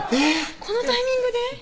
このタイミングで？